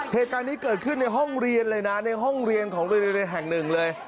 เหตุการณ์นี้เกิดขึ้นในห้องเรียนเลยนะในห้องเรียนของโรงเรียนแห่งหนึ่งเลย